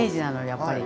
やっぱり。